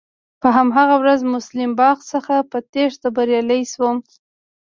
په هماغه ورځ مسلم باغ څخه په تېښته بريالی شوم.